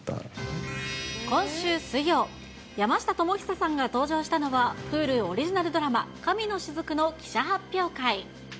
今週水曜、山下智久さんが登場したのは、Ｈｕｌｕオリジナルドラマ、神の雫の記者発表会。